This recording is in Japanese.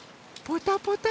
ポタポタ。